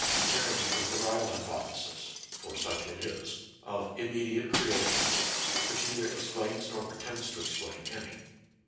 paring it with the rival hypothesis — for such it is — of immediate creation, which neither ex plains nor pretends to explain any.